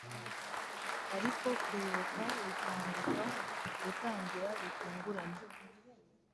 ariko kwibuka bikanguka gutangira gitunguranye